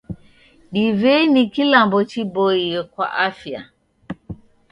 Divei ni kilambo chiboie kwa afya?